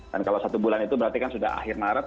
dan kalau satu bulan itu berarti kan sudah akhir maret